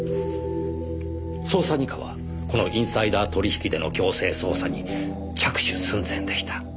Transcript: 捜査二課はこのインサイダー取引での強制捜査に着手寸前でした。